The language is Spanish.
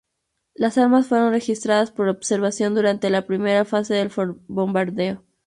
Las armas fueron registradas por observación durante la primera fase del bombardeo.